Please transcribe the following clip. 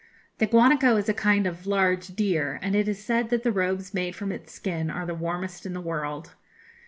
The guanaco is a kind of large deer, and it is said that the robes made from its skin are the warmest in the world.